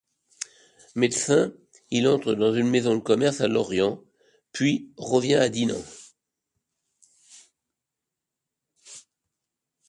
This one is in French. Médecin, il entre dans une maison de commerce à Lorient, puis revient à Dinan.